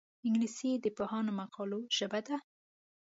انګلیسي د پوهانو مقالو ژبه ده